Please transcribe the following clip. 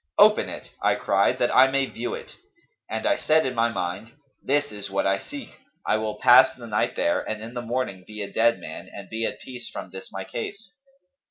'Open it,' I cried, 'that I may view it;' and I said in my mind, 'This is what I seek; I will pass the night there and in the morning be a dead man and be at peace from this my case.'